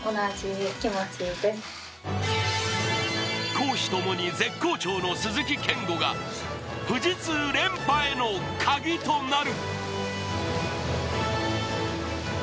公私ともに絶好調の鈴木健吾が富士通連覇へのカギとなる。